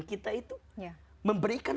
kita itu memberikan